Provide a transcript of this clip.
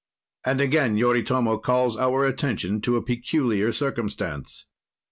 And again, Yoritomo calls our attention to a peculiar circumstance.